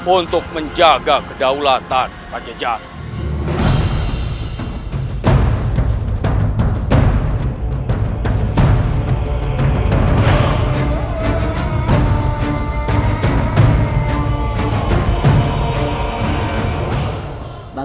untuk menjaga kedaulatan pajajara